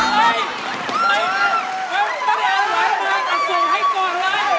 เข้ามัดมาตัดสูงให้ก่อนนะ